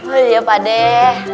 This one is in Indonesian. oh iya pak deh